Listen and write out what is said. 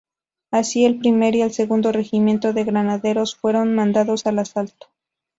Así el primer y el segundo regimiento de granaderos fueron mandados al asalto.